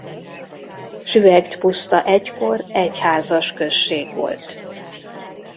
Süvegd puszta egykor egyházas község volt.